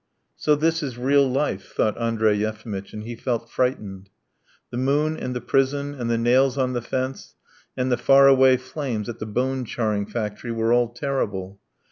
"So this is real life," thought Andrey Yefimitch, and he felt frightened. The moon and the prison, and the nails on the fence, and the far away flames at the bone charring factory were all terrible.